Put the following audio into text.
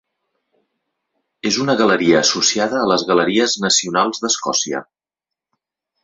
És una galeria associada a les Galeries Nacionals d'Escòcia.